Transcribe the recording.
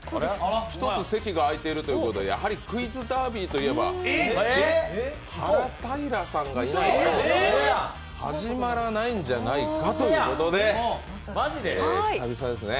１つ席が空いているということで、やはり「クイズダービー」といえばはらたいらさんがいないと始まらないんじゃないかということで、久々ですね。